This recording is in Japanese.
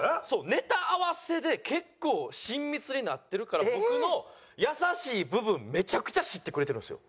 ネタ合わせで結構親密になってるから僕の優しい部分めちゃくちゃ知ってくれてるんですよ。